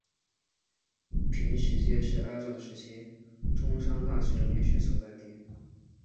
坪石街是二战时期中山大学临时所在地。